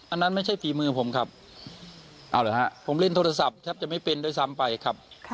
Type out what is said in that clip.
อันนั้นไม่ใช่ฝีมือผมครับเอาเหรอฮะผมเล่นโทรศัพท์แทบจะไม่เป็นด้วยซ้ำไปครับ